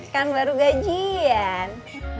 kan baru gajian